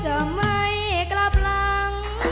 จะไม่กลับหลัง